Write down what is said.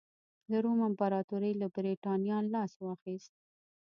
د روم امپراتورۍ له برېټانیا لاس واخیست.